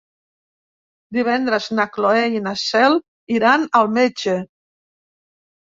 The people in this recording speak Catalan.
Divendres na Cloè i na Cel iran al metge.